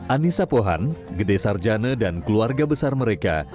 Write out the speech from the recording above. anissa pohan gede sarjana dan keluarga besar mereka